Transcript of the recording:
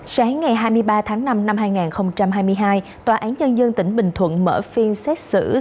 sáng ngày hai mươi ba tháng năm năm hai nghìn hai mươi hai tòa án nhân dân tỉnh bình thuận mở phiên xét xử